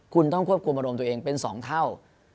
คุณต้องควบคุมอารมณ์ตัวเองเป็น๒เท่า